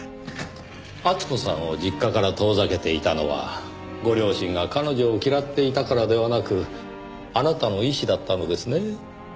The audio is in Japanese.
厚子さんを実家から遠ざけていたのはご両親が彼女を嫌っていたからではなくあなたの意思だったのですねぇ。